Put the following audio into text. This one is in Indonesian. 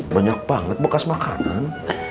banyak banget bekas makanan